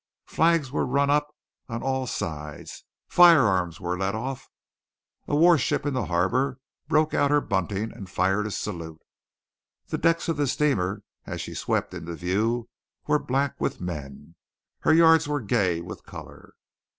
Flags were run up on all sides, firearms were let off, a warship in the harbour broke out her bunting and fired a salute. The decks of the steamer, as she swept into view, were black with men; her yards were gay with colour.